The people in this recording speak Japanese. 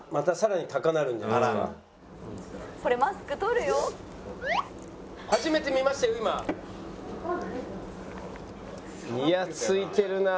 にやついてるなあ。